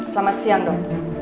selamat siang dok